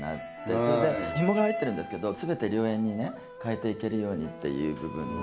それでひもが入ってるんですけど全て良縁に変えていけるようにっていう部分の。